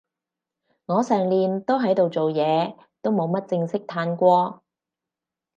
我成年都喺度做嘢，都冇乜正式嘆過